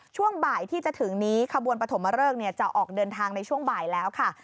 ช่วงบ่ายที่จะถึงนี้ขบวนปฐมเริกจะออกเดินทางในช่วงบ่ายแล้วค่ะ